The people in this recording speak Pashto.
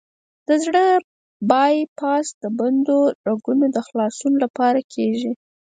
د زړه بای پاس د بندو رګونو د خلاصون لپاره کېږي.